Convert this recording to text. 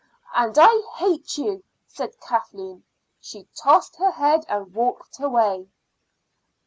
"And I hate you!" said Kathleen. She tossed her head and walked away.